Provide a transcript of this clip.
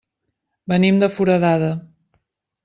Venim de Foradada.